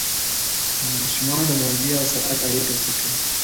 ماشومان د مودې او سرعت اړیکه زده کوي.